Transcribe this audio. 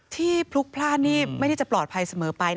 พลุกพลาดนี่ไม่ได้จะปลอดภัยเสมอไป